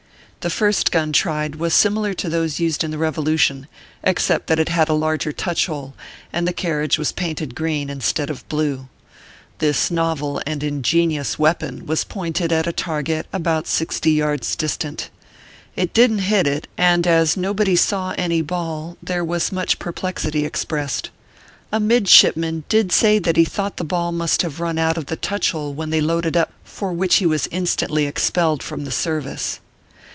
The first gun tried was similar to those used in the Kevolution, except that it had a larger touch hole, and the .carriage was painted green, instead of blue. This novel and ingenious weapon was pointed at a target about sixty yards distant. It didn t hit it, and us nobody saw any ball, there was much perplexity expressed. A midshipman did say that he thought the ball must have run out of the touch hole when they loaded up for which he was instantly expelled from the service.